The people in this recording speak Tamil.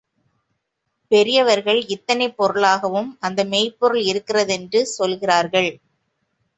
பெரியவர்கள் இத்தனை பொருளாகவும் அந்த மெய்ப் பொருள் இருக்கிறதென்று சொல்கிறார்கள்.